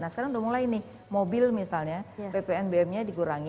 nah sekarang udah mulai nih mobil misalnya ppnbm nya dikurangi